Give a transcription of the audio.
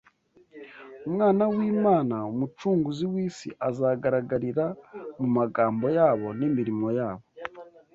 Umwana w’Imana, Umucunguzi w’isi, azagaragarira mu magambo yabo, n’imirimo yabo